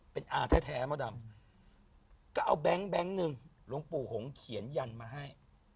เป็นอาแท้มดดำก็เอาแก๊งหนึ่งหลวงปู่หงเขียนยันมาให้